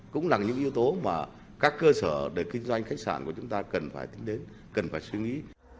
cũng là những yếu tố mà các cơ sở để kinh doanh khách sạn của chúng ta cần phải tính đến cần phải suy nghĩ